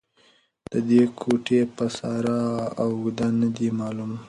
د دې کوټې پساره او اږده نه دې معلوم